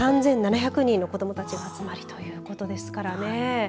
３７００人の子どもたちが集まるということですからね。